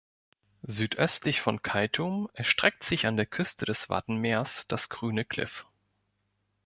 Südöstlich von Keitum erstreckt sich an der Küste des Wattenmeers das Grüne Kliff.